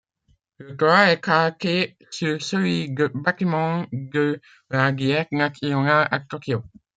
Le toit est calqué sur celui du bâtiment de la Diète nationale à Tokyo.